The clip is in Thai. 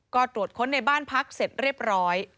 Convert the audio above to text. ก็ตรวจค้นในบ้านพักเสร็จเรียบร้อย